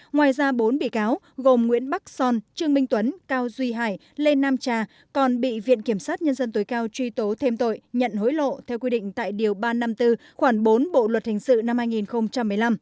ngoài ra bốn bị cáo gồm nguyễn bắc son trương minh tuấn cao duy hải lê nam trà còn bị viện kiểm sát nhân dân tối cao truy tố thêm tội nhận hối lộ theo quy định tại điều ba trăm năm mươi bốn khoảng bốn bộ luật hình sự năm hai nghìn một mươi năm